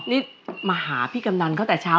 นี่มาหาพี่กำนันเขาแต่เช้า